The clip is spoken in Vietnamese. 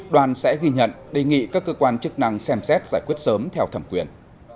đoàn sẽ ghi nhận đề nghị các cơ quan chức năng xem xét giải quyết sớm theo thẩm quyền